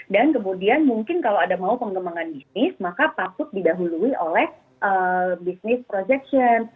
dan kemudian mungkin kalau ada mau pengembangan bisnis maka patut didahului oleh business projection